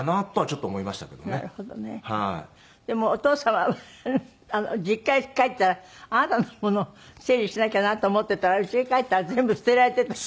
でもお父様は実家へ帰ったらあなたのものを整理しなきゃなと思ってたら家へ帰ったら全部捨てられてた。